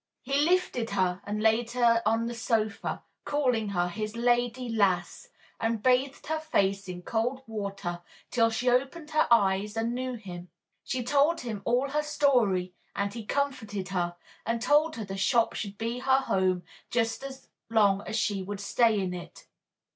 He lifted her and laid her on the sofa, calling her his "lady lass," and bathed her face in cold water till she opened her eyes and knew him. She told him all her story, and he comforted her, and told her the shop should be her home just as long as she would stay in it.